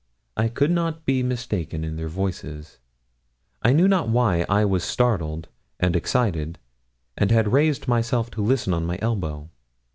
I could not be mistaken in their voices. I knew not why I was startled and excited, and had raised myself to listen on my elbow.